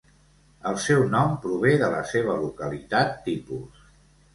El seu nom prové de la seva localitat tipus.